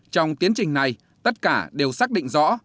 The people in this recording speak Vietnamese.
trong tiến trình này tất cả đều xác định rõ